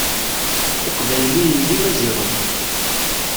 Iqbayliyen d imaziɣen.